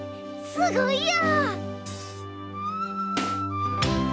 すごいや！